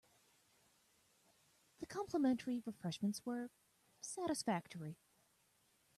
The complimentary refreshments were satisfactory.